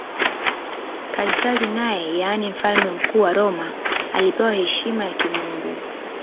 Kaisari naye, yaani Mfalme Mkuu wa Roma, alipewa heshima ya kimungu.